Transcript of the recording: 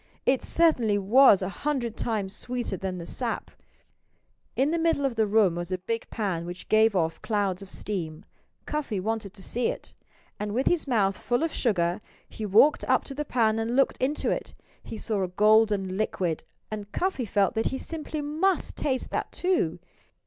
It certainly was a hundred times sweeter than the sap. In the middle of the room was a big pan which gave off clouds of steam. Cuffy wanted to see it. And with his mouth full of sugar he walked up to the pan and looked into it. He saw a golden liquid, and Cuffy felt that he simply must taste that too.